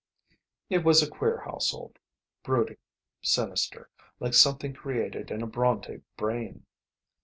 It was a queer household, brooding, sinister, like something created in a Brontë brain.